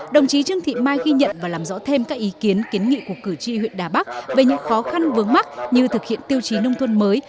đồng chí trương thị mai ghi nhận và làm rõ thêm các ý kiến kiến nghị của cử tri huyện đà bắc về những khó khăn vướng mắt như thực hiện tiêu chí nông thôn mới